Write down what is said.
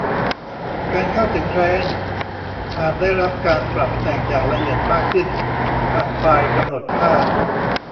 การเข้าถึงไคลเอ็นต์อาจได้รับการปรับแต่งอย่างละเอียดมากขึ้นผ่านไฟล์กำหนดค่า